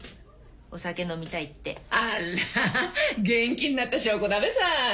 あっら元気になった証拠だべさ。